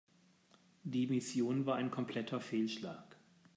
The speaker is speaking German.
Die Mission war ein kompletter Fehlschlag.